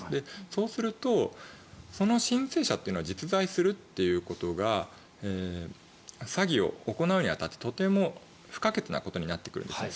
そうするとその申請者というのは実在するということが詐欺を行うに当たってとても不可欠なことになってくるんですね。